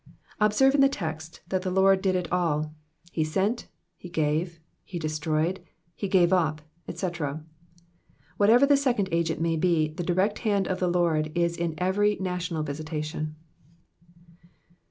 Observe in tha text that the Lord did it all —he sent,'' he gave," he destroyed," *' he gave up," &c. ; whatever the second agent may be, the direct hand of the Lord is in every national visitation.